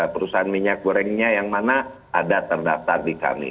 perusahaan minyak gorengnya yang mana ada terdaftar di kami